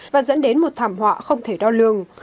và dẫn đến một thảm họa không thể đo lường